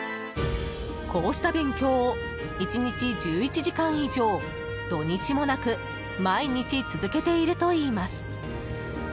こうした勉強を１日１１時間以上土日もなく毎日続けているといいます。